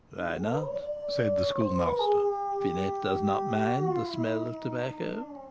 "Why not?" said the Schoolmaster. "Finette does not mind the smell of tobacco."